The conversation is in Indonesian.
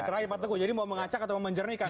terakhir pak teguh jadi mau mengacak atau menjernihkan